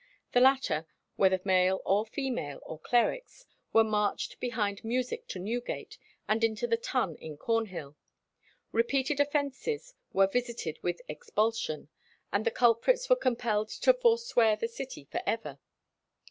The latter, whether male, female, or clerics, were marched behind music to Newgate and into the Tun in Cornhill.[23:1] Repeated offences were visited with expulsion, and the culprits were compelled to forswear the city for ever.